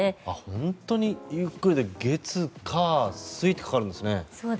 本当にゆっくりで月火水とかかるんですね。